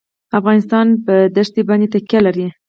افغانستان په دښتې باندې تکیه لري.